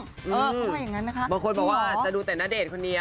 บางคนบอกว่าจะดูแต่ณเดชคนเดียว